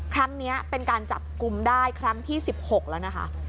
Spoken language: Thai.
ครั้งนี้เป็นการจับกลุ่มได้ครั้งที่๑๖แล้วนะคะ